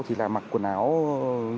thì là mặc quần áo nhu cầu